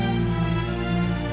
aku mau ke sana